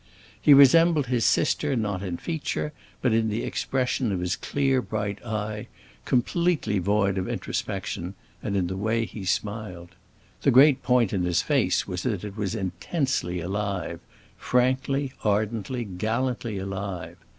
He resembled his sister not in feature, but in the expression of his clear, bright eye, completely void of introspection, and in the way he smiled. The great point in his face was that it was intensely alive—frankly, ardently, gallantly alive.